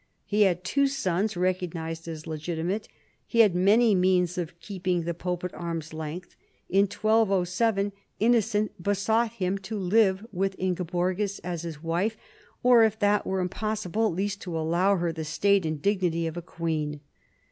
He had two sons recognised as legitimate. He had many means of keeping the pope at arm's length. In 1207 Innocent besought him to live with Ingeborgis as his wife, or if that were impossible at least to allow her the state and dignity of queen.